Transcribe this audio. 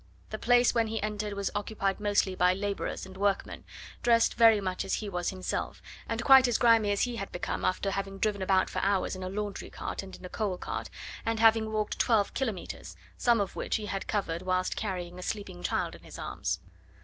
The place when he entered was occupied mostly by labourers and workmen, dressed very much as he was himself, and quite as grimy as he had become after having driven about for hours in a laundry cart and in a coal cart, and having walked twelve kilometres, some of which he had covered whilst carrying a sleeping child in his arms.